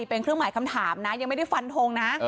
เป็นเครื่องหมายคำถามนะยังไม่ได้ฟันทงนะ